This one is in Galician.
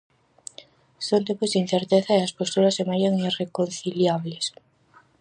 Son tempos de incerteza e as posturas semellan irreconciliables.